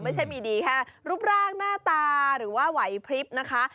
ไม่ใช่มีดีแค่รูปร่างหน้าตาหรือว่าไหวพลิบนะคะ